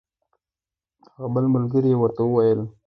هغه بل ملګري یې ورته وویل.